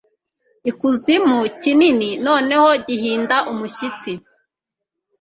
Ikuzimu kinini noneho gihinda umushyitsi